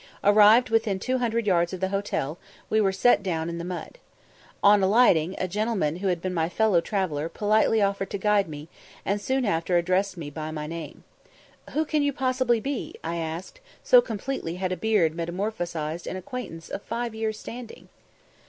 Arrived within two hundred yards of the hotel, we were set down in the mud. On alighting, a gentleman who had been my fellow traveller politely offered to guide me, and soon after addressed me by name. "Who can you possibly be?" I asked so completely had a beard metamorphosed an acquaintance of five years' standing.